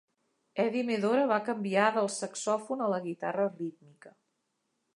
Eddy Medora va canviar del saxòfon a la guitarra rítmica.